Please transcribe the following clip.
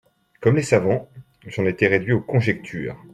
Comme les savants, j’en étais réduit aux conjectures.